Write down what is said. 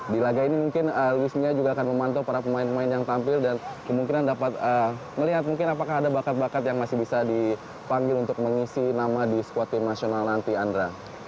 di laga ini mungkin luis mia juga akan memantau para pemain pemain yang tampil dan kemungkinan dapat melihat mungkin apakah ada bakat bakat yang masih bisa dipanggil untuk mengisi nama di squad tim nasional nanti andra